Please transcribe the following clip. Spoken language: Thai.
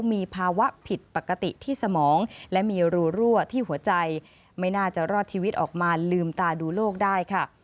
มีภาวะผิดปกติที่สมองและมีรูรั่วที่หัวใจไม่น่าจะรอดชีวิตออกมาลืมตาดูโลกได้ค่ะ